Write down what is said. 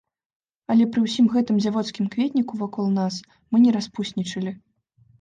Але пры ўсім гэтым дзявоцкім кветніку вакол нас, мы не распуснічалі.